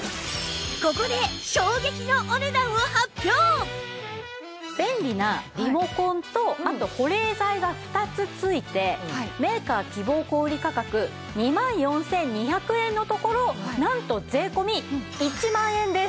ここで便利なリモコンとあと保冷剤が２つ付いてメーカー希望小売価格２万４２００円のところなんと税込１万円です！